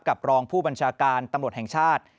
รองผู้บัญชาการตำรวจแห่งชาติ